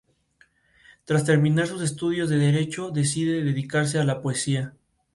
Actualmente es la primera mujer radical electa senadora en la provincia de La Rioja.